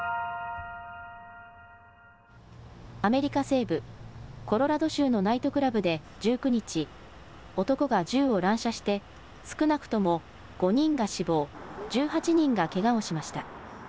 アメリカ西部コロラド州のナイトクラブで１９日、男が銃を乱射して少なくとも５人が死亡、１８人がけがをしました。